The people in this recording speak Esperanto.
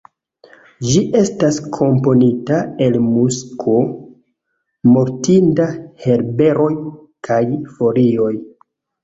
Ĝi estas komponita el musko, mortinta herberoj kaj folioj.